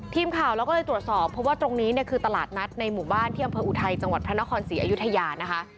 ทีมข่าวเราก็เลยตรวจสอบเพราะว่าตรงนี้เนี่ยคือตลาดนัดในหมู่บ้านที่อำเภออุทัยจังหวัดพระนครศรีอยุธยานะคะ